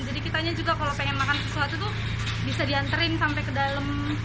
jadi kita juga kalau ingin makan sesuatu itu bisa dianterin sampai ke dalam